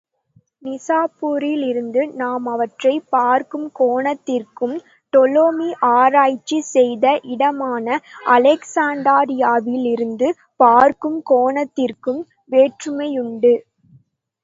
நிசாப்பூரிலிருந்து நாம் அவற்றைப் பார்க்கும் கோணத்திற்கும், டோலமி ஆராய்ச்சி செய்த இடமான அலெக்சாண்டரியாவிலிருந்து பார்க்கும் கோணத்திற்கும் வேற்றுமையுண்டு.